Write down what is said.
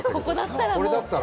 これだったら。